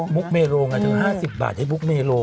มุกเมโลไงถึง๕๐บาทให้มุกเมโล